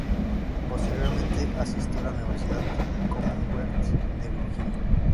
Posteriormente, asistió a la Universidad Commonwealth de Virginia.